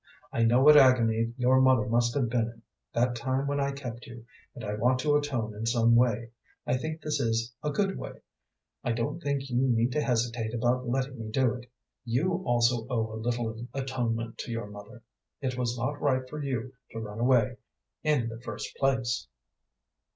I know what agony your mother must have been in, that time when I kept you, and I want to atone in some way. I think this is a good way. I don't think you need to hesitate about letting me do it. You also owe a little atonement to your mother. It was not right for you to run away, in the first place."